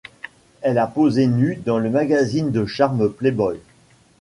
Elle a posé nue dans le magazine de charme Playboy.